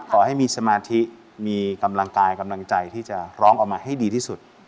ขอให้มีสมาธิมีกำลังกายกำลังใจที่จะร้องออกมาให้ดีที่สุด